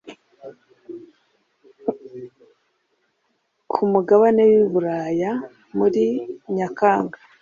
ku mugabane w’uburaya muri nyakanga ,